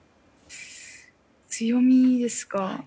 強みですか。